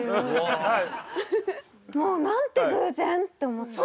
もうなんて偶然！って思って。